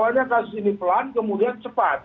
awalnya kasus ini pelan kemudian cepat